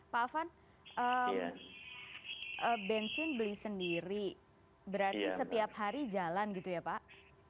pak afan bensin beli sendiri berarti setiap hari jalan gitu ya pak